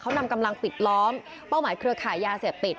เขานำกำลังปิดล้อมเป้าหมายเครือขายยาเสพติด